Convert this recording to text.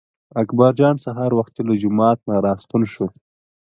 اکبر جان سهار وختي له جومات نه راستون شو.